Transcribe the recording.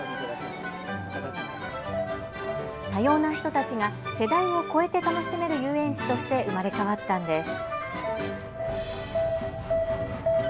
多様な人たちが世代をこえて楽しめる遊園地として生まれ変わったんです。